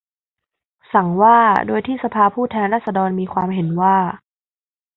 สั่งว่า โดยที่สภาผู้แทนราษฎรมีความเห็นว่า